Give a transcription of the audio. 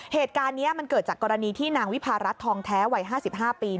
เหตุการณ์นี้มันเกิดจากกรณีที่นางวิพารัฐทองแท้วัย๕๕ปี